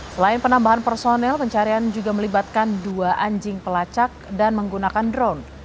selain penambahan personel pencarian juga melibatkan dua anjing pelacak dan menggunakan drone